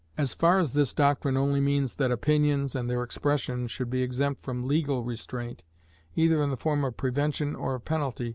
As far as this doctrine only means that opinions, and their expression, should be exempt from legal restraint, either in the form of prevention or of penalty, M.